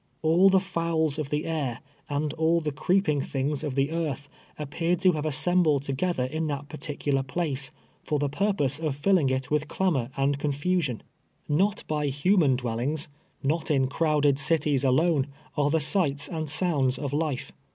All the fiwls of the air, and all the creeping things of the earth appeared to have assembled together in that particular place, for the purpose of filling it with clamor and confusion. JSTot 142 TWELVE YEARS A SLAVE. 1)V human dwellings — not in crowded cities alone, arc the sights and sounds of life.